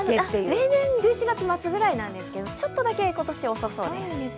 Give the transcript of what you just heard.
例年、１１月末ぐらいなんですけどちょっとだけ、今年は遅そうです。